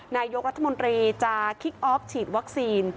นายกรัฐมนตรีจะคิกออฟฉีดวัคซีน